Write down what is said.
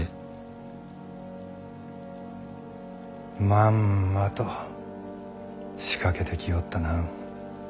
まんまと仕掛けてきおったな。